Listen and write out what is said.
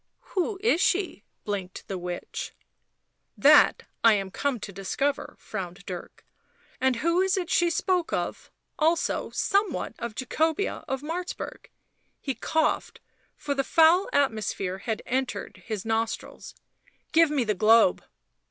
" Who is she?" blinked the witch. <f That I am come to discover," frowned Dirk. " And who it is she spoke of — also somewhat of Jacobea of Martzburg "— he coughed, for the foul atmosphere had entered his nostrils. " Give me the globe."